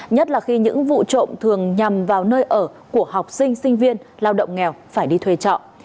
nhất là khi những vụ trộm thường nhằm vào nơi ở của học sinh sinh viên lao động nghèo phải đi thuê trọ